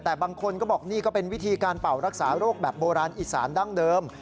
แต่บางคนก็บอกนี่ก็เป็นวิธีการเป่ารักษาโรคแบบโบราณอีสานดั้งเดิม